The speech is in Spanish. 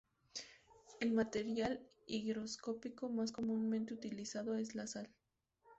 El material higroscópico más comúnmente utilizado es la sal.